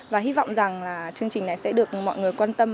và hy vọng rằng là chương trình này sẽ được mọi người quan tâm